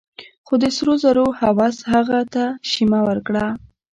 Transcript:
خو د سرو زرو هوس هغه ته شيمه ورکړه.